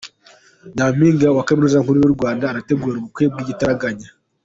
Nyampinga wa Kaminuza Nkuru y’u Rwanda arategura ubukwe bw’igitaraganya